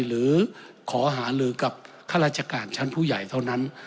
หรือขอหาลือกับข้าราชการชั้นผู้ใหญ่เท่านั้น